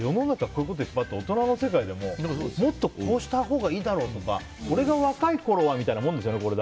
こういうこといっぱいあって大人の世界でももっとこうしたほうがいいだろうとか俺が若いころはみたいなものだよね。